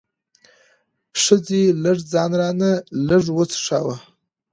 ښځې لږ ځان را نه لرې وڅښاوه.